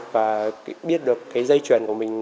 và biết được cái dây chuyển của mình